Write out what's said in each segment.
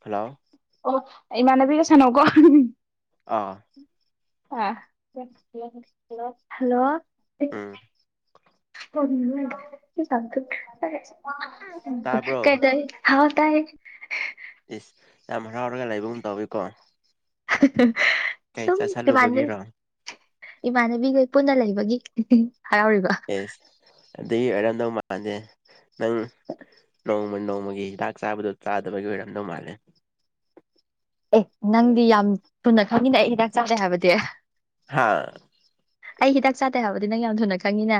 Hello ꯑꯣ ꯏꯃꯥꯟꯅꯕꯤꯒ ꯁꯥꯟꯅꯧꯀꯣ ꯑꯥ ꯑ ꯍꯜꯂꯣ ꯎꯝ ꯀꯔꯤꯅꯣꯅꯦ ꯊꯤ ꯇꯥꯈꯠꯈ꯭ꯔꯦ ꯇꯥꯕ꯭ꯔꯣ ꯀꯥꯏꯗꯩ ꯍꯜꯂꯣ ꯇꯥꯏ ꯏꯁ ꯌꯥꯝ ꯍꯔꯥꯎꯔꯒ ꯂꯩꯕꯒꯨꯝ ꯇꯧꯋꯤꯀꯣ ꯀꯩ ꯁꯨꯝ ꯏꯃꯥꯟꯕꯤ ꯆꯥꯁꯜꯂꯨꯕꯒꯤꯔꯣ ꯏꯃꯥꯟꯅꯕꯤꯈꯩ ꯄꯨꯟꯅ ꯂꯩꯕꯒꯤ ꯍꯔꯥꯎꯔꯤꯕ ꯑꯦꯁ ꯑꯗꯨꯏ ꯑꯣꯏꯔꯝꯗꯧ ꯃꯥꯟꯗꯦ ꯅꯪ ꯅꯣꯡꯃ ꯅꯣꯡꯃꯒꯤ ꯍꯤꯗꯥꯛ ꯆꯥꯕꯗꯣ ꯆꯥꯗꯕꯒꯤ ꯑꯣꯏꯔꯝꯗꯧ ꯃꯥꯜꯂꯦ ꯑꯦ ꯅꯪꯗꯤ ꯌꯥꯝ ꯊꯨꯅ ꯈꯪꯉꯤꯅꯥ ꯑꯩ ꯍꯤꯗꯥꯛ ꯆꯥꯗꯦ ꯍꯥꯏꯕꯗꯤ ꯍꯥꯥ ꯑꯩ ꯍꯤꯗꯥꯛ ꯆꯥꯗꯦ ꯍꯥꯏꯕꯗꯤ ꯅꯪ ꯌꯥꯝ ꯊꯨꯅ ꯈꯪꯉꯤꯅꯥ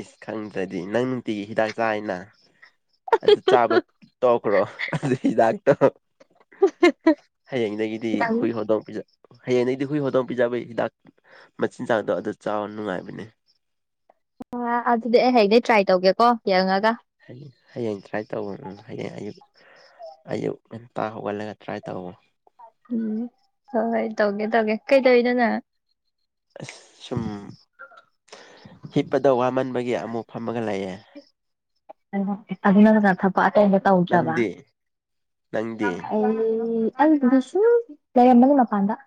ꯏꯁ ꯈꯪꯗ꯭ꯔꯗꯤ ꯅꯪ ꯅꯨꯡꯇꯤꯒꯤ ꯍꯤꯗꯥꯛ ꯆꯥꯅ ꯑꯗꯨ ꯆꯥꯕ ꯇꯣꯛꯈ꯭ꯔꯣ ꯑꯗꯨ ꯍꯤꯗꯥꯛꯇꯣ ꯍꯌꯦꯡꯗꯒꯤꯗꯤ ꯍꯨꯏ ꯍꯧꯗꯧꯡ ꯄꯤꯖꯧ ꯍꯌꯦꯡꯗꯒꯤꯗꯤ ꯍꯨꯏ ꯍꯧꯗꯣꯡ ꯄꯤꯖꯕꯩ ꯍꯤꯗꯥꯛ ꯃꯆꯤꯟꯖꯥꯛꯗꯣ ꯑꯗꯨ ꯆꯥꯎ ꯅꯨꯡꯉꯥꯏꯕꯅꯦ ꯋꯥ ꯑꯗꯨꯗꯤ ꯑꯩ ꯍꯌꯦꯡꯗꯩ ꯇ꯭ꯔꯥꯏ ꯇꯧꯒꯦꯀꯣ ꯌꯦꯡꯉꯒ ꯍꯌꯦꯡ ꯇ꯭ꯔꯥꯏ ꯇꯧ ꯎꯪ ꯍꯌꯦꯡ ꯑꯌꯨꯛ ꯑꯌꯨꯛ ꯉꯟꯇꯥ ꯍꯧꯒꯠꯂꯒ ꯇ꯭ꯔꯥꯏ ꯇꯧꯑꯣ ꯎꯝ ꯍꯣꯏ ꯍꯣꯏ ꯇꯧꯒꯦ ꯇꯧꯒꯦ ꯀꯩꯗꯧꯋꯤꯅꯣ ꯅꯪ ꯑꯁ ꯁꯨꯝ ꯍꯤꯞꯄꯗ ꯋꯥꯃꯟꯕꯒꯤ ꯑꯃꯨꯛ ꯐꯝꯃꯒ ꯂꯩꯑꯦ ꯀꯩꯅꯣ ꯑꯗꯨ ꯅꯠꯇꯕ ꯊꯕꯛ ꯑꯇꯩꯗꯣ ꯇꯧꯗ꯭ꯔꯥꯕ ꯅꯪꯗꯤ ꯅꯪꯗꯤ ꯑꯩꯩ ꯑꯩꯒꯤꯗꯨꯁꯨ ꯂꯩꯔꯝꯕꯅꯤ ꯃꯄꯥꯟꯗ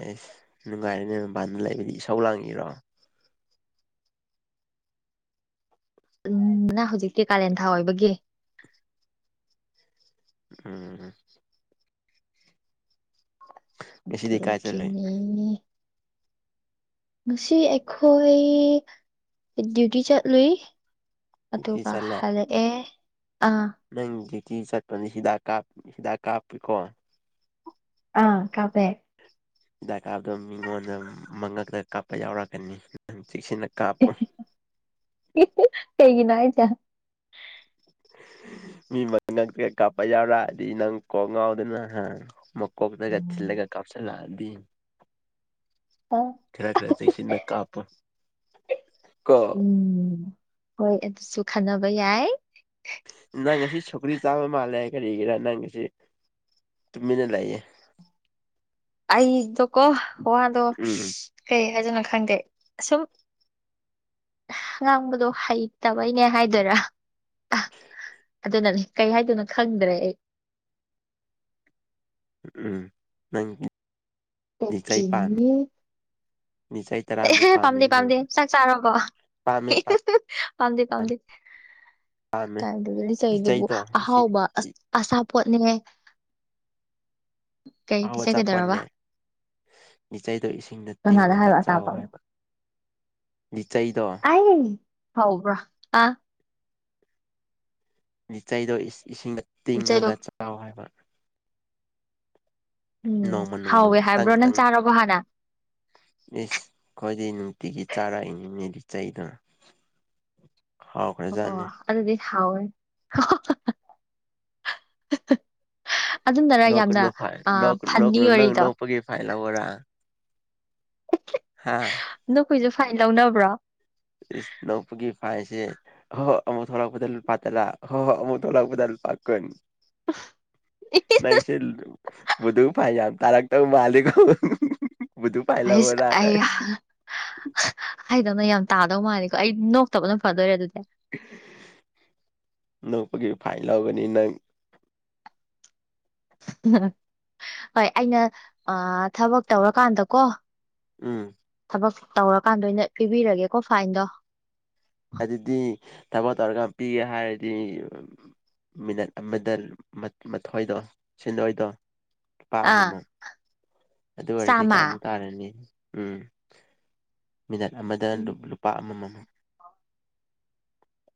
ꯑꯦꯁ ꯅꯨꯡꯉꯥꯏꯔꯦꯅꯦ ꯃꯄꯥꯟꯗ ꯂꯩꯕꯒꯤ ꯏꯁꯧ ꯂꯥꯡꯉꯤꯔꯣ ꯎꯝ ꯅꯪ ꯍꯧꯖꯤꯛꯇꯤ ꯀꯥꯂꯦꯟꯊꯥ ꯑꯣꯏꯕꯒꯤ ꯎꯝ ꯉꯁꯤꯗꯤ ꯀꯥꯏ ꯆꯠꯂꯨꯏ ꯑꯩꯅꯦ ꯉꯁꯤ ꯑꯩꯈꯣꯏ ꯗꯤꯌꯨꯇꯤ ꯆꯠꯂꯨꯏ ꯗ꯭ꯌꯨꯇꯤ ꯑꯗꯨꯒ ꯆꯠꯂꯦ ꯍꯜꯂꯛꯑꯦ ꯑꯥ ꯅꯪ ꯗꯤꯌꯨꯇꯤ ꯆꯠꯄꯅꯤ ꯍꯤꯗꯥꯛ ꯀꯥꯞ ꯍꯤꯗꯥꯛ ꯀꯥꯞꯄꯤꯀꯣ ꯑꯥ ꯀꯥꯞꯄꯦ ꯍꯤꯗꯥꯛ ꯀꯥꯞꯗꯣ ꯃꯤꯉꯣꯟꯗ ꯃꯉꯛꯇ ꯀꯥꯞꯄ ꯌꯥꯎꯔꯛꯀꯅꯤ ꯅꯪ ꯆꯦꯛꯁꯤꯟꯅ ꯀꯥꯞꯄꯨ ꯀꯩꯒꯤꯅꯣ ꯍꯥꯏꯁꯦ ꯃꯤ ꯃꯉꯛꯇ ꯀꯥꯞꯄ ꯌꯥꯎꯔꯛꯑꯗꯤ ꯅꯪ ꯀꯣꯛ ꯉꯥꯎꯗꯅ ꯍꯥ ꯀꯣꯛꯇꯒ ꯊꯤꯜꯂꯒ ꯀꯞꯁꯤꯜꯂꯛꯑꯗꯤ ꯈꯔ ꯈꯔ ꯆꯦꯛꯁꯤꯟꯅ ꯀꯥꯞꯄꯣ ꯀꯣ ꯎꯝ ꯍꯣꯏ ꯑꯗꯨꯁꯨ ꯈꯟꯅꯅꯕ ꯌꯥꯢ ꯅꯣꯏ ꯉꯁꯤ ꯁꯧꯒ꯭ꯔꯤ ꯆꯥꯕ ꯃꯥꯜꯂꯦ ꯀꯔꯤꯒꯤꯔꯥ ꯅꯪ ꯉꯁꯤ ꯇꯨꯃꯤꯟꯅ ꯂꯩꯌꯦ ꯑꯩꯗꯣꯀꯣ ꯋꯥꯗꯣ ꯎꯝ ꯀꯩ ꯍꯥꯏꯗꯅꯣ ꯈꯪꯗꯦ ꯁꯨꯝ ꯉꯥꯡꯕꯗꯣ ꯍꯩꯇ ꯕꯩꯅꯦ ꯍꯥꯏꯗꯣꯏꯔꯥ ꯑꯗꯨꯅꯅ ꯀꯩ ꯍꯥꯏꯗꯨꯅꯣ ꯈꯪꯗ꯭ꯔꯦ ꯑꯩ ꯎꯪ ꯅꯪ ꯂꯤꯆꯩ ꯄꯥꯝꯃꯤ INAUDIBLE ꯂꯤꯆꯩ ꯑꯦꯍꯦ ꯇꯔꯥꯃꯨꯛ ꯄꯥꯝꯃꯤ ꯄꯥꯝꯗꯦ ꯅꯪ ꯄꯥꯝꯗꯦ ꯆꯥꯛ ꯆꯥꯔꯕꯣ ꯄꯥꯝꯃꯦ ꯏꯍꯤꯍꯤ꯬꯬ ꯄꯥꯝꯗꯦ ꯄꯥꯝꯗꯦ ꯄꯥꯝꯃꯦ ꯀꯥꯏꯗꯨꯕꯨ ꯂꯤ ꯆꯩꯗꯨꯕꯨ ꯂꯤꯆꯩꯗꯣ ꯏꯁꯤꯡ ꯑꯍꯥꯎꯕ ꯑꯆꯥꯄꯣꯠꯅꯦꯍꯦ ꯑꯍꯥꯎꯕ ꯂꯤꯆꯩꯒꯗꯧꯔꯕ ꯑꯆꯥꯄꯣꯠꯅꯦ ꯂꯤꯆꯩꯗꯣ ꯏꯁꯤꯡꯗ ꯀꯅꯥꯗ ꯇꯤꯡꯉꯒ ꯍꯥꯏꯕ ꯆꯥꯎ ꯑꯆꯥꯄꯣꯠꯅꯦ ꯍꯥꯏꯕ ꯂꯤꯆꯩꯗꯣ UNINTELLIGIBLE ꯂꯤꯆꯩꯗꯣ ꯏꯁ ꯏꯁꯤꯡꯗ ꯂꯤꯆꯩꯗꯣ ꯇꯤꯡꯉꯒ ꯆꯥꯎ ꯍꯥꯏꯕ ꯎꯪꯎꯪ ꯅꯣꯡꯃ ꯅꯣꯡꯃꯒꯤ ꯍꯥꯎꯋꯦ ꯈꯤꯇꯪ ꯍꯥꯏꯕ꯭ꯔꯣ ꯅꯪ ꯈꯤꯇꯪ ꯆꯥꯔꯕꯣ ꯍꯥꯟꯅ ꯏꯁ ꯑꯩꯈꯣꯏꯗꯤ ꯅꯨꯡꯇꯤꯒꯤ ꯆꯥꯔꯛꯏꯅꯤꯅꯦ ꯂꯤꯆꯩꯗꯣ INAUDIBLE ꯑꯣꯑꯣ ꯍꯥꯎꯈ꯭ꯔꯖꯥꯠꯅꯤ ꯑꯗꯨꯗꯤ ꯍꯥꯎꯋꯦ ꯑꯗꯨꯅꯔꯥ ꯌꯥꯝꯅ ꯅꯣꯛꯀꯅꯨ ꯐꯥꯏꯟ ꯑꯥ ꯅꯣꯛꯀꯅꯨ ꯐꯟꯅꯤ ꯅꯣꯛꯀꯅꯨ ꯅꯪ ꯑꯣꯏꯔꯤꯗꯣ ꯅꯣꯛꯄꯒꯤ ꯐꯥꯏꯟ ꯂꯧꯑꯣꯔꯥꯍꯥ ꯅꯣꯛꯄꯩꯖꯨ ꯐꯥꯏꯟ ꯂꯧꯅꯕ꯭ꯔꯣ ꯏꯁ ꯅꯣꯛꯄꯒꯤ ꯐꯥꯏꯟꯁꯦ ꯑꯍꯣꯍꯣ ꯑꯃꯨꯛ ꯊꯣꯛꯂꯛꯄꯗ ꯂꯨꯄꯥ ꯇꯥꯂꯥ ꯍꯣꯍꯣ ꯑꯃꯨꯛ ꯊꯣꯂꯛꯄꯗ ꯂꯨꯄꯥ ꯀꯨꯟ ꯅꯪꯁꯦ ꯕꯨꯗꯨ ꯐꯥꯏꯟ ꯌꯥꯝ ꯇꯥꯔꯛ... ꯇꯧ ꯃꯥꯜꯂꯤꯀꯣ ꯕꯨꯙꯨ ꯐꯥꯏꯟ ꯍꯩꯁ ꯂꯧꯑꯣꯔꯥ ꯅꯪ ꯑꯩꯌꯥꯍꯥ ꯍꯥꯏꯗꯧꯅ ꯌꯥꯝ ꯇꯥꯗꯧ ꯃꯥꯜꯂꯦꯀꯣ ꯑꯩ ꯅꯣꯛꯇꯕꯅ ꯐꯗꯣꯏꯔ ꯑꯗꯨꯗꯤ ꯅꯣꯛꯄꯒꯤ ꯐꯥꯏꯟ ꯂꯧꯒꯅꯤ ꯅꯪ ꯍꯣꯏ ꯑꯩꯅ ꯑꯥꯑ ꯊꯕꯛ ꯇꯧꯔꯀꯥꯟꯗ ꯀꯣ ꯎꯪ ꯊꯕꯛ ꯇꯧꯔꯀꯥꯟꯗ ꯑꯣꯏꯅ ꯄꯤꯕꯤꯔꯒꯦꯀꯣ ꯐꯥꯏꯟꯗꯣ ꯑꯗꯨꯗꯤ ꯊꯕꯛ ꯇꯧꯔꯒ ꯄꯤꯒꯦ ꯍꯥꯏꯔꯗꯤ ꯃꯤꯅꯠ ꯑꯃꯗ ꯃꯠ ꯃꯥꯊꯣꯏꯗꯣ ꯁꯦꯟꯗꯣꯏꯗꯣ ꯂꯨꯄꯥ ꯑꯥ ꯑꯃꯃꯝ ꯑꯗꯨ ꯑꯣꯏꯔꯗꯤ ꯆꯥꯝꯃ ꯀꯌꯥꯃꯨꯛ ꯇꯥꯔꯅꯤ ꯎꯪ ꯃꯤꯅꯠ ꯑꯃꯗ ꯂꯨ ꯂꯨꯄꯥ ꯑꯃꯃꯝ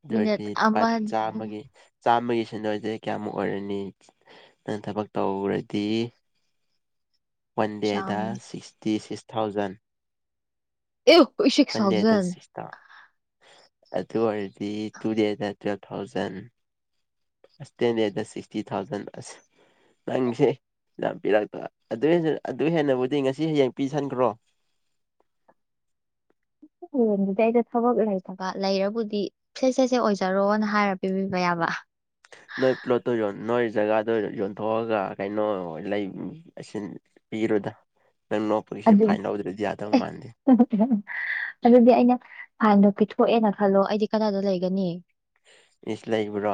ꯑꯗꯨ ꯃꯤꯅꯠ ꯑꯣꯏꯔꯗꯤ ꯂꯨꯄꯥ ꯑꯃ ꯆꯥꯝꯃꯒꯤ ꯆꯥꯝꯃꯒꯤ ꯁꯦꯟꯗꯣꯏꯗꯤ ꯀꯌꯥꯃꯨꯛ ꯑꯣꯏꯔꯅꯤ ꯅꯪ ꯊꯕꯛ ꯇꯧ ꯔꯗꯤ ꯋꯥꯟ ꯗꯦꯗ ꯆꯥꯝꯃ ꯁꯤꯛꯁꯇꯤꯁꯤꯛꯁ ꯊꯧꯖꯟ ꯑꯦ six thousand UNINTELLIGIBLE thousand sixteen ꯗꯦꯗ ꯁꯤꯛꯁꯇꯤ ꯊꯧꯖꯟ ꯑꯁ UNINTELLIGIBLE UNINTELLIGIBLE ꯁꯦ ꯁꯦ ꯁꯦ ꯑꯣꯏꯖꯔꯣꯅ ꯍꯥꯏꯔ ꯄꯤꯕꯤꯕ ꯌꯥꯕ ꯅꯣꯏ ꯄ꯭ꯂꯣꯠꯇꯣ ꯌꯣꯟ ꯅꯣꯏ ꯖꯒꯥꯗꯣ ꯌꯣꯟꯊꯣꯛꯑꯒ ꯀꯩꯅꯣ ꯂꯩ ꯑꯁꯤ ꯄꯤꯔꯨꯗ ꯅꯪ ꯅꯣꯛꯄꯒꯤꯁꯦ ꯑꯗꯨ ꯐꯥꯏꯟ ꯂꯧꯗ꯭ꯔꯗꯤ ꯌꯥꯗꯧ ꯃꯥꯟꯗꯦ ꯑꯗꯨꯗꯤ ꯑꯩꯅ ꯐꯥꯏꯟꯗꯣ ꯄꯤꯊꯣꯛꯑꯦꯅ ꯈꯜꯂꯣ ꯑꯩꯗꯤ ꯀꯗꯥꯏꯗ ꯂꯩꯒꯅꯤ ꯏꯁ ꯂꯩꯕ꯭ꯔꯣ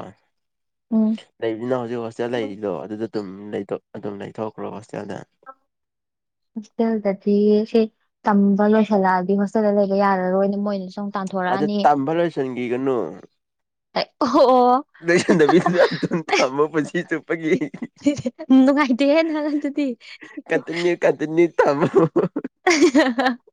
ꯎꯝ ꯂꯩꯕꯅꯤꯅ ꯍꯧꯖꯤꯛ ꯍꯣꯁꯇꯦꯜ ꯂꯩꯔꯤꯗꯣ ꯑꯗꯨꯗ ꯑꯗꯨꯝ ꯑꯗꯨꯝ ꯂꯩꯊꯣꯛꯈ꯭ꯔꯣ ꯍꯣꯁꯇꯦꯜꯗ ꯍꯣꯁꯇꯦꯜꯗꯗꯤ ꯁꯤ ꯇꯝꯕ ꯂꯣꯏꯁꯜꯂꯛꯑꯗꯤ ꯍꯣꯁꯇꯦꯜꯗ ꯂꯩꯒꯦ ꯌꯥꯔꯔꯣꯏꯅꯦ ꯃꯣꯏꯅ ꯁꯨꯝ ꯑꯗ ꯇꯝꯕ ꯂꯣꯏꯁꯟꯈꯤꯒꯅꯨ ꯑꯣ ꯂꯣꯏꯁꯟꯗꯕꯤꯗ ꯑꯗꯨꯝ ꯊꯝꯃꯨ ꯄꯨꯟꯁꯤ ꯆꯨꯨꯞ ꯅꯨꯡꯉꯥꯏꯇꯦꯍꯦ ꯅꯪ ꯑꯗꯨꯗꯤ [unintelligible] ꯊꯝꯃꯣ [unintelligible]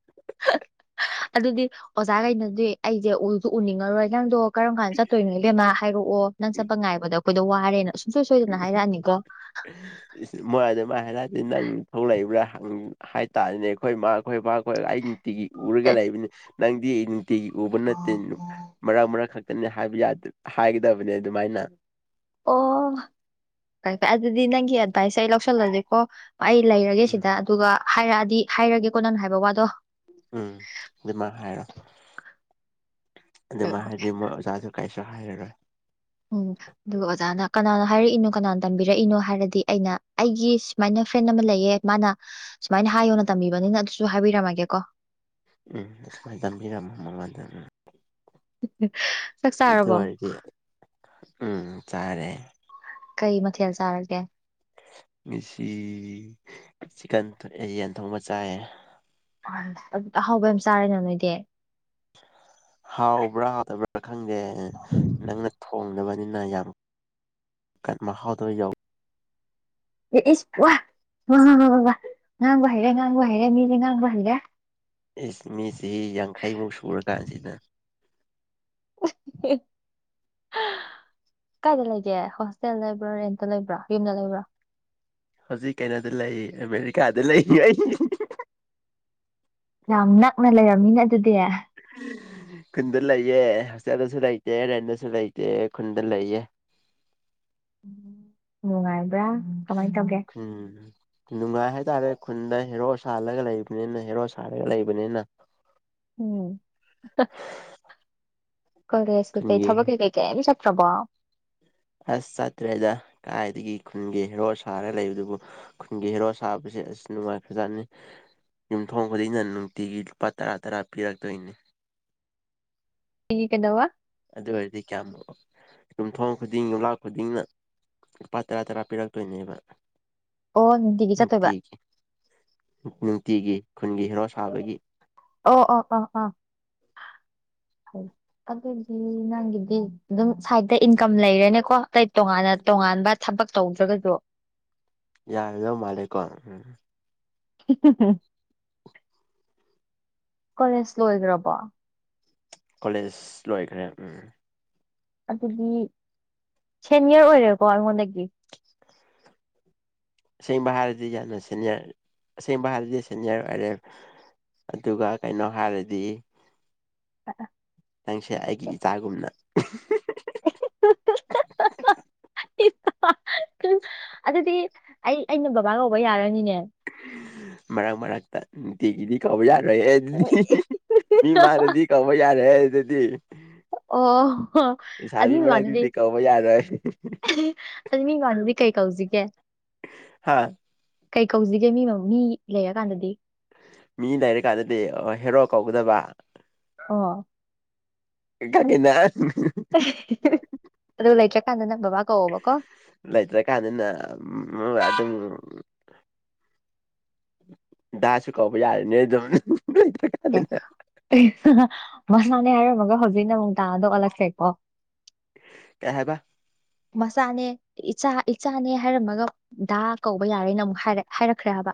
ꯑꯗꯨꯗꯤ ꯑꯣꯖꯥꯒꯩꯅꯗꯤ ꯑꯩꯁꯦ ꯎꯁꯨ ꯎꯅꯤꯡꯉꯔꯣꯏ ꯅꯪꯗꯣ ꯀꯔꯝ ꯀꯥꯟꯗ ꯆꯠꯇꯣꯏꯅꯣ ꯏꯕꯦꯝꯃꯥ ꯍꯥꯏꯔꯛꯑꯣ ꯅꯪ ꯆꯠꯄ ꯉꯥꯏꯕꯗ ꯑꯩꯈꯣꯏꯗꯣ ꯋꯥꯔꯦꯅ ꯁꯨꯡꯁꯣꯏ ꯁꯣꯏꯗꯅ ꯍꯥꯏꯔꯛꯑꯅꯤꯀꯣ [inaudible] ꯏꯁ ꯃꯣꯏ ꯑꯗꯨꯃꯥꯏ ꯍꯥꯏꯔꯗꯤ ꯅꯪ ꯊꯧ ꯂꯩꯕꯔꯥ ꯍꯪ ꯍꯥꯏꯇꯥꯔꯦꯅꯦ ꯑꯩꯈꯣꯏ ꯃꯥ ꯑꯩꯈꯣꯏ ꯕꯥꯈꯣꯏ ꯑꯩ ꯅꯨꯡꯇꯤꯒꯤ ꯎꯔꯒ ꯑꯦ ꯂꯩꯕꯅꯤ ꯅꯪꯗꯤ ꯅꯨꯡꯇꯤꯒꯤ ꯎꯕ ꯅꯠꯇꯦ ꯃꯔꯛ ꯃꯔꯛ ꯈꯛꯇꯅꯤ ꯍꯥꯏꯕ ꯌꯥ ꯍꯥꯏꯒꯗꯕꯅꯦ ꯑꯗꯨꯃꯥꯏꯅ ꯑꯣ ꯐꯩ ꯐꯩ ꯑꯗꯨꯗꯤ ꯅꯪꯒꯤ ꯑꯦꯗꯚꯥꯏꯁꯦ ꯑꯩ ꯂꯧꯁꯜꯂꯒꯦꯀꯣ ꯑꯩ ꯂꯩꯔꯒꯦ ꯁꯤꯗ ꯎꯝ ꯑꯗꯨꯒ ꯍꯥꯏꯔꯛꯑꯗꯤ ꯍꯥꯏꯔꯒꯦ ꯀꯣ ꯅꯪꯅ ꯍꯥꯏꯕ ꯋꯥꯗꯣ ꯎꯝ ꯑꯗꯨꯃꯥꯏ ꯍꯥꯏꯔꯣ ꯍꯣꯏ ꯑꯗꯨꯃꯥꯏ ꯍꯣꯏ ꯍꯥꯏꯔꯗꯤ ꯃꯣꯏ ꯑꯣꯖꯥꯗꯨ ꯀꯩꯁꯨ ꯍꯥꯏꯔꯔꯣꯏ ꯎꯝ ꯑꯗꯨꯒ ꯑꯣꯖꯥꯅ ꯀꯅꯥꯅ ꯍꯥꯏꯔꯛꯏꯅꯣ ꯀꯅꯥꯅ ꯇꯝꯕꯤꯔꯛꯏꯅꯣ ꯍꯥꯏꯔꯗꯤ ꯑꯩꯅ ꯑꯩꯒꯤ ꯁꯨꯃꯥꯏꯅ ꯐ꯭ꯔꯦꯟ ꯑꯃ ꯂꯩꯌꯦ ꯃꯥꯅ ꯁꯨꯃꯥꯏꯅ ꯍꯥꯏꯌꯣꯅ ꯇꯝꯕꯤꯕꯅꯤꯅ ꯑꯗꯨꯁꯨ ꯍꯥꯏꯕꯤꯔꯝꯃꯒꯦ ꯀꯣ ꯎꯝ ꯁꯨꯃꯥꯏꯅ ꯇꯝꯕꯤꯔꯝꯃꯣ ꯃꯉꯣꯟꯗ ꯎꯝ ꯆꯥꯛ ꯑꯗꯨ ꯆꯥꯔꯕꯣ ꯑꯣꯏꯔꯗꯤ ꯎꯝ ꯆꯥꯔꯦ ꯀꯩ ꯃꯊꯦꯜ ꯆꯥꯔꯒꯦ ꯉꯁꯤ ꯆꯤꯛꯀꯟ ꯊꯣꯡ ꯑꯌꯦꯟ ꯊꯣꯡꯕ ꯆꯥꯏꯌꯦ ꯑꯍꯥꯎꯕ ꯌꯥꯝ ꯆꯥꯔꯦꯅ ꯅꯣꯏꯗꯤ ꯍꯥꯎꯕ꯭ꯔꯥ ꯍꯥꯎꯇꯕ꯭ꯔꯥ ꯈꯪꯗꯦ ꯅꯪꯅ ꯊꯣꯡꯗꯕꯅꯤꯅ ꯌꯥꯝ ꯀꯟ ꯃꯍꯥꯎꯗꯕ ꯌꯧꯋ ꯑꯦ ꯏꯁ ꯋꯥ ꯋꯥ ꯋꯥ ꯉꯥꯡꯕ ꯍꯩꯔꯦ ꯉꯥꯡꯕ ꯍꯩꯔꯦ ꯃꯤꯗꯤ ꯉꯥꯡꯕ ꯍꯩꯔꯦ ꯏꯁ ꯃꯤ ꯆꯍꯤ ꯌꯥꯡꯈꯩꯃꯨꯛ ꯁꯨꯔꯀꯥꯟꯁꯤꯗ [unintelligible] ꯀꯥꯏꯗ ꯂꯩꯒꯦ ꯍꯣꯁꯇꯦꯜ ꯂꯩꯕ꯭ꯔꯥ ꯔꯦꯟꯇ ꯂꯩꯕ꯭ꯔꯥ ꯌꯨꯝꯗ ꯂꯩꯕ꯭ꯔꯥ ꯍꯧꯖꯤꯛ ꯀꯩꯅꯣꯗ ꯂꯩ ꯑꯃꯦꯔꯤꯀꯥꯗ ꯂꯩ ꯑꯩ ꯌꯥꯝ ꯅꯛꯅ ꯂꯩꯔꯝꯃꯤꯅ ꯑꯗꯨꯗꯤ ꯈꯨꯟꯗ ꯂꯩꯌꯦ ꯍꯣꯁꯇꯦꯜꯗꯁꯨ ꯂꯩꯇꯦ ꯔꯦꯟꯗꯁꯨ ꯂꯩꯇꯦ ꯈꯨꯟꯗ ꯂꯩꯌꯦ ꯅꯨꯡꯉꯥꯏꯕ꯭ꯔꯥ ꯀꯃꯥꯏ ꯇꯧꯒꯦ ꯎꯝ ꯅꯨꯡꯉꯥꯏ ꯍꯥꯏꯇꯥꯔꯦ ꯈꯨꯟꯗ ꯍꯦꯔꯣ ꯁꯥꯜꯂꯒ ꯂꯩꯕꯅꯤꯅ ꯍꯦꯔꯣ ꯁꯥꯔꯒ ꯂꯩꯕꯅꯤꯅ ꯎꯝ ꯀꯣꯂꯦꯁ ꯀꯩ ꯀꯩ ꯈꯨꯟꯒꯤ ꯊꯕꯛ ꯀꯩ ꯀꯩ ꯀꯦꯝ ꯆꯠꯇ꯭ꯔꯕꯣ ꯑꯁ ꯆꯠꯇ꯭ꯔꯦꯗ ꯀꯥꯏꯗꯒꯤ ꯈꯨꯟꯒꯤ ꯍꯦꯔꯣ ꯁꯥꯔ ꯂꯩꯕꯗꯨꯕꯨ ꯈꯨꯟꯒꯤ ꯍꯦꯔꯣ ꯁꯥꯕꯁꯦ ꯑꯁ ꯅꯨꯡꯉꯥꯏꯈ꯭ꯔꯖꯥꯠꯅꯤ ꯌꯨꯝꯊꯣꯡ ꯈꯨꯗꯤꯡꯅ ꯅꯨꯡꯇꯤꯒꯤ ꯂꯨꯄꯥ ꯇꯔꯥ ꯇꯔꯥ ꯄꯤꯔꯛꯇꯣꯏꯅꯤ ꯇꯤꯒꯤ ꯀꯩꯗꯧꯕ ꯑꯗꯨ ꯑꯣꯏꯔꯗꯤ ꯀ꯭ꯌꯥꯃꯨꯛ ꯌꯨꯝꯊꯣꯡ ꯈꯨꯗꯤꯡ ꯌꯨꯝꯂꯥꯛ ꯈꯨꯗꯤꯡꯉ ꯂꯨꯄꯥ ꯇꯔꯥ ꯇꯔꯥ ꯄꯤꯔꯛꯇꯣꯏꯅꯦꯕ ꯑꯣ ꯆꯠꯇꯣꯏꯕ ꯅꯨꯡꯇꯤꯒꯤ ꯎꯝ ꯅꯨꯡꯇꯤꯒꯤ ꯈꯨꯟꯒꯤ ꯍꯦꯔꯣ ꯁꯥꯕꯒꯤ ꯑꯧ ꯑꯣ ꯑꯣ ꯑꯥ [inaudible] ꯑꯗꯨꯗꯤ ꯅꯪꯒꯤꯗꯤ ꯑꯗꯨꯝ ꯁꯥꯏꯗꯇꯥ ꯏꯟꯀꯝ ꯂꯩꯔꯦꯅꯦꯀꯣ ꯑꯗꯩ ꯇꯣꯉꯥꯟꯅ ꯇꯣꯉꯥꯟꯕ ꯊꯕꯛ ꯇꯧꯗ꯭ꯔꯒꯖꯨ ꯌꯔꯝꯗꯧ ꯃꯥꯜꯂꯦꯀꯣ ꯎꯝ [unintelligible] ꯀꯣꯂꯦꯖ ꯂꯣꯏꯈ꯭ꯔꯕꯣ? ꯀꯣꯂꯦꯖ ꯂꯣꯏꯈ꯭ꯔꯦ ꯎꯝ ꯑꯗꯨꯗꯤ ꯁꯦꯅꯦꯌꯔ ꯑꯣꯏꯔꯦꯀꯣ ꯑꯩꯉꯣꯟꯗꯒꯤ? ꯑꯁꯦꯡꯕ ꯍꯥꯏꯔꯗꯤ ꯌꯟꯅꯥ ꯁꯦꯅꯦꯌꯔ ꯑꯁꯦꯡꯕ ꯍꯥꯏꯔꯗꯤ ꯁꯦꯅꯦꯌꯔ ꯑꯣꯏꯔꯦ ꯑꯗꯨꯒ ꯀꯩꯅꯣ ꯍꯥꯏꯔꯗꯤ [unintelligible] ꯅꯪꯁꯦ ꯑꯩꯒꯤ ꯏꯆꯥꯒꯨꯝꯅ ꯑꯗꯨꯗꯤ ꯑꯩ ꯑꯩꯅ ꯕꯕꯥ ꯀꯧꯕ ꯌꯥꯔꯅꯤꯅꯦ? ꯃꯔꯥꯛ ꯃꯔꯥꯛꯇꯥ ꯅꯨꯡꯇꯤꯒꯤꯗꯤ ꯀꯧꯕ ꯌꯥꯥꯔꯣꯏꯑꯦ ꯑꯗꯨꯗꯤ [unintelligible] ꯃꯤꯃꯥꯡꯗꯗꯤ ꯀꯧꯕ ꯌꯥꯔꯣꯏꯍꯦ ꯑꯗꯨꯗꯤ ꯑꯣ ꯍꯣ ꯂꯩꯁꯥꯕꯤ ꯑꯅꯨꯏ ꯃꯟꯗꯨꯗꯤ ꯃꯔꯛꯇꯨꯗꯤ ꯀꯧꯕ ꯌꯥꯔꯣꯏ [unintelligible] ꯑꯗꯨ ꯃꯤꯃꯥꯡꯗꯗꯤ ꯀꯩ ꯀꯧꯁꯤꯒꯦ? ꯍꯥ ꯀꯩ ꯀꯧꯁꯤꯒꯦ ꯃꯤꯃꯃꯥ ꯃꯤ ꯂꯩꯔꯀꯥꯟꯗꯗꯤ? ꯃꯤ ꯂꯩꯔꯀꯥꯟꯗꯗꯤ ꯑꯣ ꯍꯦꯔꯣ ꯀꯧꯒꯗꯕꯥ꯫ ꯍꯣ [unintelligible] [unintelligible] ꯑꯗꯨ ꯂꯩꯇ꯭ꯔꯀꯥꯟꯗꯅ ꯕꯥꯕꯥ ꯀꯧꯋꯣꯕꯀꯣ ꯂꯩꯇ꯭ꯔꯀꯥꯟꯗꯅ [unintelligible] ꯑꯗꯨꯝ ꯗꯥꯁꯨ ꯀꯧꯕ ꯌꯥꯔꯦꯅꯦ ꯑꯗꯨꯝ [unintelligible] ꯑꯦ [unintelligible] ꯃꯁꯥꯅꯦ ꯍꯥꯏꯔꯝꯃꯒ ꯍꯧꯖꯤꯛꯅ ꯑꯃꯨꯛ ꯗꯥꯗ ꯑꯣꯜꯂꯛꯈ꯭ꯔꯦꯀꯣ ꯀꯩ ꯍꯥꯏꯕ? ꯃꯆꯥꯅꯦ ꯏꯆꯥ ꯏꯆꯥꯅꯦ ꯍꯥꯏꯔꯝꯃꯒ ꯗꯥ ꯀꯧꯕ ꯌꯥꯔꯦꯅ ꯑꯃꯨꯛ ꯍꯥꯏꯔꯦꯛ ꯍꯥꯏꯔꯛꯈ꯭ꯔꯦꯕꯥ ꯍꯥꯏꯕ꯫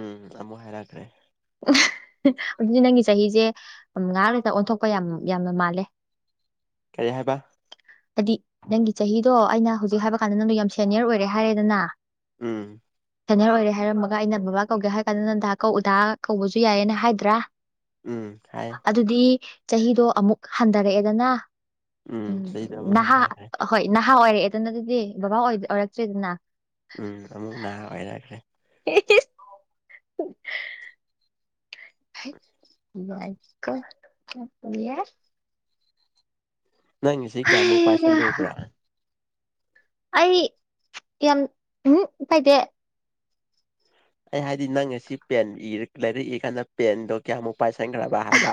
ꯎꯝ ꯑꯃꯨꯛ ꯍꯥꯏꯔꯛꯈ꯭ꯔꯦ꯫ [unintelligible] ꯑꯗꯨꯗꯤ ꯅꯪꯒꯤ ꯆꯍꯤꯁꯦ ꯎꯝ ꯉꯥꯏꯍꯥꯛ ꯂꯩꯇ ꯑꯣꯟꯊꯣꯛꯄ ꯌꯥꯝ ꯌꯥꯝꯅ ꯃꯥꯜꯂꯦ [inaudible] ꯀꯔꯤ ꯍꯥꯏꯕ? ꯑꯗꯤ ꯅꯪꯒꯤ ꯆꯍꯤꯗꯣ ꯑꯩꯅ ꯍꯧꯖꯤꯛ ꯍꯥꯏꯕ ꯀꯥꯟꯗ ꯅꯪꯗꯣ ꯌꯥꯝ ꯁꯦꯅꯦꯌꯔ ꯑꯣꯏꯔꯦ ꯍꯥꯏꯔꯦꯗꯅ ꯎꯝ ꯁꯦꯅꯦꯌꯔ ꯑꯣꯏꯔꯦ ꯍꯥꯏꯔꯝꯃꯒ ꯑꯩꯅ ꯕꯥꯕꯥ ꯀꯧꯒꯦ ꯍꯥꯏꯀꯥꯟꯗ ꯅꯪꯅ ꯗꯥ ꯀꯧ ꯎꯗꯥꯥ ꯀꯧꯕꯁꯨ ꯌꯥꯌꯦꯅꯥ ꯍꯥꯏꯗ꯭ꯔꯥ? ꯎꯝ ꯍꯥꯏ ꯑꯗꯨꯗꯤ ꯆꯍꯤꯗꯣ ꯑꯃꯨꯛ ꯍꯟꯗꯥꯔꯛꯑꯦꯗꯅ ꯎꯝ ꯆꯍꯤꯗ ꯑꯃꯨꯛ ꯍꯟꯊꯈ꯭ꯔꯦ ꯑꯍꯣꯏ ꯅꯍꯥ ꯑꯣꯏꯔꯛꯑꯦꯗꯅ ꯑꯗꯨꯗꯤ ꯕꯥꯕꯥ ꯑꯣꯏꯗꯦ ꯑꯣꯏꯔꯛꯇ꯭ꯔꯦꯗꯅ ꯎꯝ ꯑꯃꯨꯛ ꯅꯍꯥ ꯑꯣꯏꯔꯛꯈ꯭ꯔꯦ [unintelligible] ꯍꯩꯠ ꯌꯥꯏꯀꯣ [unintelligible] ꯌꯥꯏ ꯅꯪ ꯉꯁꯤ ꯀꯌꯥꯃꯨꯛ ꯍꯩꯌꯥ ꯄꯥꯏꯁꯜꯂꯨꯕ꯭ꯔꯥ ꯑꯩ ꯌꯥꯝ ꯍꯝ ꯄꯥꯏꯗꯦ ꯑꯩ ꯍꯥꯏꯗꯤ ꯅꯪ ꯉꯁꯤ ꯄꯦꯟ ꯏꯔꯥ ꯂꯥꯏꯔꯤꯛ ꯏꯔꯀꯥꯟꯗ ꯄꯦꯟꯗꯣ ꯀꯌꯥꯃꯨꯛ ꯄꯥꯏꯁꯟꯈ꯭ꯔꯕ ꯍꯥꯏꯕ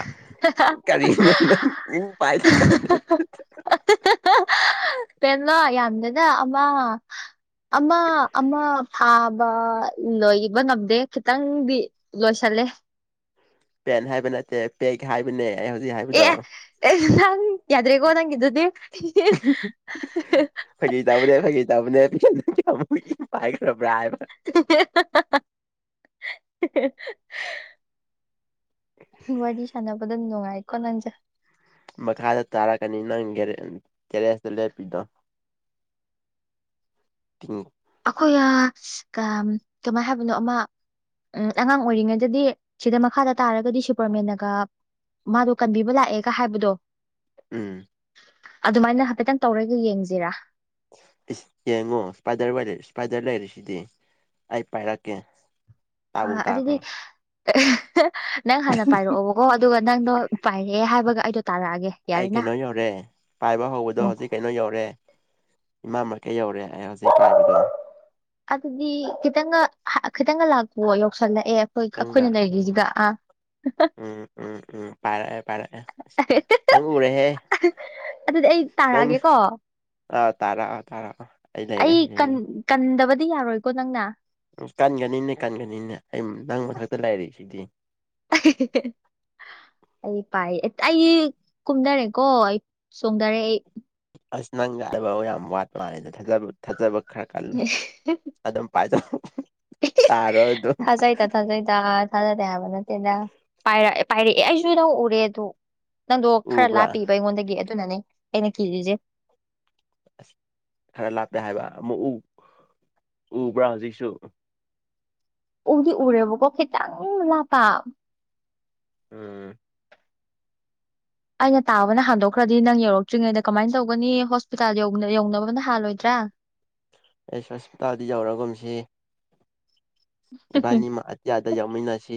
ꯀꯔꯤꯅꯣ ꯅꯪ ꯎꯝ ꯄꯥꯏꯗꯦ ꯀꯥꯏꯅ ꯍꯥ ꯄꯦꯟꯂꯣ ꯌꯥꯝꯗꯦꯗꯥ ꯑꯃ ꯑꯃ ꯑꯃ ꯐꯥꯕ ꯂꯣꯏꯒꯥꯕ ꯉꯝꯗꯦ ꯈꯤꯇꯪꯗꯤ ꯂꯣꯏꯁꯟꯂꯦ ꯄꯦꯟ ꯍꯥꯏꯕ ꯅꯠꯇꯦ ꯄꯦꯛ ꯍꯥꯏꯕꯅꯦ ꯑꯩ ꯍꯧꯖꯤꯛ ꯑꯦ ꯍꯥꯏꯕꯗꯣ ꯑꯦ ꯅꯪ ꯌꯥꯗ꯭ꯔꯦꯀꯣ ꯅꯪꯒꯤꯗꯨꯗꯤ ꯐꯒꯤ ꯇꯧꯕꯅꯦ ꯑꯃꯨꯛ ꯢꯪ ꯄꯥꯏꯈꯔ꯭ꯕ ꯍꯥꯏꯕꯥ [unintelligible] [unintelligible] ꯋꯥꯔꯤ ꯁꯥꯟꯅꯕꯗ ꯅꯨꯡꯉꯥꯏꯀꯣ ꯅꯪꯁꯦ ꯃꯈꯥꯗ ꯇꯥꯔꯛꯀꯅꯤ ꯅꯪ ꯀꯦꯔꯦ ꯇꯦꯔꯦꯁꯇꯥ ꯂꯦꯞꯄꯤꯗꯣ ꯇꯤꯡ ꯑꯩꯈꯣꯏ ꯑ ꯀꯝ ꯀꯃꯥꯏ ꯍꯥꯏꯕꯅꯣ ꯑꯃ ꯎꯝ ꯑꯉꯥꯡ ꯑꯣꯏꯔꯤꯉꯩꯗꯗꯤ ꯁꯤꯗ ꯃꯈꯥꯗ ꯇꯥꯔꯒꯗꯤ ꯁꯨꯄ꯭ꯔꯃꯦꯟꯅꯒ ꯃꯥꯗꯣ ꯀꯟꯕꯤꯕ ꯂꯥꯛꯑꯦꯒ ꯍꯥꯏꯕꯗꯣ ꯎꯝ ꯑꯗꯨꯃꯥꯏꯅ ꯍꯥꯏꯐꯦꯠꯇꯪ ꯇꯧꯔꯒ ꯌꯦꯡꯁꯤꯔꯥ ꯏꯁ ꯌꯦꯡꯉꯣ ꯏꯁꯄꯥꯏꯗꯔ ꯏꯁꯄꯥꯏꯗꯔ ꯂꯩꯔꯤꯁꯤꯗꯤ ꯑꯩ ꯄꯥꯏꯔꯛꯀꯦ ꯑ ꯇꯥꯕꯨ ꯑꯗꯨꯗꯤ ꯇꯥꯈ꯭ꯔꯣ ꯅꯪ ꯍꯥꯟꯅ ꯄꯥꯏꯔꯛꯑꯣꯕ ꯑꯣ ꯑꯗꯨꯒ ꯅꯪꯗꯣ ꯄꯥꯏꯔꯛꯑꯦ ꯍꯥꯏꯕꯒ ꯑꯩꯗꯣ ꯇꯥꯔꯛꯑꯒꯦ ꯑꯩ ꯌꯥꯔꯦꯅ ꯀꯩꯅꯣ ꯌꯧꯔꯦ ꯄꯥꯏꯕ ꯍꯧꯕꯗꯣ ꯍꯧꯖꯤꯛ ꯀꯩꯅꯣ ꯌꯧꯔꯦ ꯏꯃꯥ ꯃꯔꯀꯦꯠ ꯌꯧꯔꯦ ꯑꯩ ꯍꯧꯖꯤꯛ ꯄꯥꯏꯕꯗꯣ ꯑꯗꯨꯗꯤ ꯈꯤꯇꯪꯒ ꯈꯤꯇꯪꯒ ꯂꯥꯛꯈꯨꯑꯣ ꯌꯥꯎꯁꯜꯂꯛꯑꯦ ꯍꯣꯏ ꯅꯪꯒ ꯑꯩꯈꯣꯏꯅ ꯎꯝ ꯂꯩꯔꯤꯁꯤꯒ ꯑ ꯎꯝ ꯎꯝ ꯎꯝ ꯄꯥꯏꯔꯛꯑꯦ ꯄꯥꯏꯔꯛꯑꯦ ꯅꯪ ꯎꯔꯦꯍꯦ ꯑꯍꯥ ꯑꯗꯨꯗꯤ ꯑꯩ ꯇꯥꯔꯛꯑꯒꯦꯀꯣ ꯑꯥꯎ ꯇꯔꯥꯛꯑꯣ ꯇꯔꯥꯛꯑꯣ ꯑꯩ ꯀꯟ ꯀꯟꯗꯕꯗꯤ ꯌꯥꯔꯣꯏꯀꯣ ꯅꯪꯅ ꯎꯝ ꯀꯟꯒꯅꯤꯅꯦ ꯀꯟꯒꯅꯤꯅꯦ ꯑꯩ ꯅꯪ ꯃꯊꯛꯇ ꯂꯩꯔꯤꯁꯤꯗꯤ [unintelligible] ꯑꯩ ꯄꯥꯏ ꯑꯩ ꯀꯨꯝꯗꯔꯦꯀꯣ ꯑꯩ ꯆꯣꯡꯊꯔꯦ ꯑꯩ ꯑꯁ ꯅꯪ ꯌꯥꯗꯕꯥ ꯌꯥꯝ ꯋꯥꯠꯄ ꯃꯟꯂꯤꯗ ꯊꯥꯖꯕ ꯊꯥꯖꯕ ꯈꯔ ꯀꯟꯅ ꯑꯗꯨꯝ ꯄꯥꯏꯖ ꯇꯥꯔꯣ ꯑꯗꯨꯝ ꯑꯗꯣꯏꯇꯥ ꯊꯥꯖꯗꯦ ꯍꯥꯏꯕ ꯅꯠꯇꯦꯗ ꯄꯥꯏꯔꯛꯑꯦ ꯑꯩꯁꯨ ꯅꯪ ꯎꯔꯦ ꯑꯗꯣ ꯅꯪꯗꯣ ꯈꯔ ꯎꯕ꯭ꯔꯥ ꯂꯥꯞꯄꯤꯕ ꯑꯩꯉꯣꯟꯗꯒꯤ ꯑꯗꯨꯅꯅꯦ ꯑꯩꯅ ꯀꯤꯔꯤꯁꯦ ꯑꯁ ꯈꯔ ꯂꯥꯞꯄꯦ ꯍꯥꯏꯕ ꯑꯃꯨꯛꯎ ꯎꯕ꯭ꯔꯥ ꯍꯧꯖꯤꯛꯁꯨ ꯎꯗꯤ ꯎꯔꯦꯕꯀꯣ ꯈꯤꯇꯪ ꯂꯥꯞꯄ ꯎꯝ ꯑꯩꯅ ꯇꯥꯕꯅ ꯍꯥꯟꯗꯣꯛꯈ꯭ꯔꯗꯤ ꯅꯪ ꯌꯧꯔꯛꯇ꯭ꯔꯤꯉꯩꯗ ꯀꯃꯥꯏꯅ ꯇꯧꯒꯅꯤ ꯍꯣꯁꯄꯤꯇꯥꯜ ꯌꯧꯅꯕꯅ ꯍꯥꯜꯂꯣꯏꯗ꯭ꯔꯥ ꯑꯩꯁ ꯍꯣꯁꯄꯤꯇꯥꯜꯗꯤ ꯌꯧꯔꯒꯨꯝꯁꯤ ꯏꯕꯥꯅꯤꯃꯛ ꯑꯇꯤꯌꯥꯗ ꯌꯧꯃꯤꯟꯅꯁꯤ